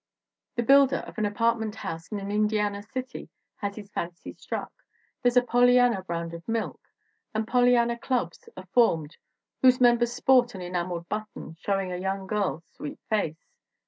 The builder of an apartment house in an Indiana city has his fancy struck. There's a Polly anna brand of milk, and Pollyanna clubs are formed whose members sport an enameled button showing a young girl's sweet face.